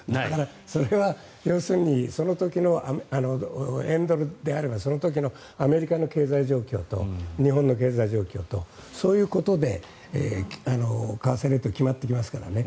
それは要するに円ドルであればその時のアメリカの経済状況と日本の経済状況とそういうことで為替レートは決まってきますからね。